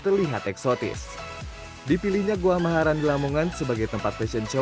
terutama pelaku usaha batik